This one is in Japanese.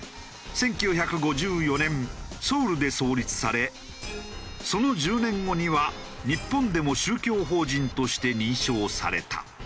１９５４年ソウルで創立されその１０年後には日本でも宗教法人として認証された。